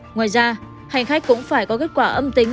ngoài ra hành khách cũng phải có kết quả âm tính